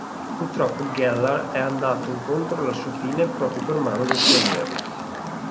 Purtroppo Gellar è andato incontro alla sua fine proprio per mano del suo allievo.